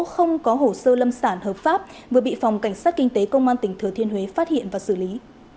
không có hồ sơ lâm sản hợp pháp vừa bị phòng cảnh sát kinh tế công an tỉnh thừa thiên huế phát hiện và xử lý